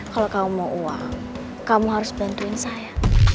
kalau kamu mau uang kamu harus bantuin saya